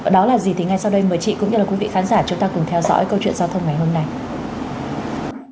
đó là gì thì ngay sau đây mời chị cũng như quý vị khán giả chúng ta cùng theo dõi câu chuyện giao thông ngày hôm nay